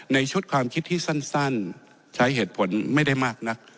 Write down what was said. ในชุดความคิดที่สั้นใช้เหตุผลไม่ได้มากนัก